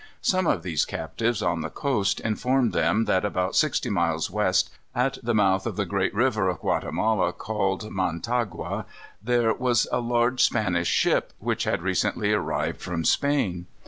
Some of these captives on the coast informed them that about sixty miles west, at the mouth of the great river of Guatemala, called Montagua, there was a large Spanish ship, which had recently arrived from Spain.